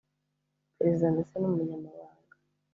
Perezida ndeste n Umunyamabanga